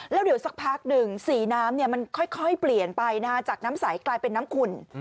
แล้วเดี๋ยวสักพักหนึ่งสีน้ำมันค่อยเปลี่ยนไปจากน้ำใสกลายเป็นน้ำขุ่น